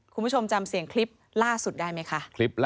คุณผู้ชมจำเสียงคลิปล่าสุดได้ไหมคะ